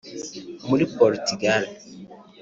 muri Portugal